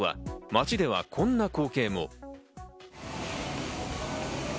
街では、こんな光景も。